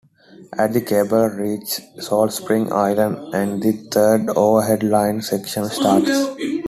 At the cable reaches Salt Spring Island and the third overhead line section starts.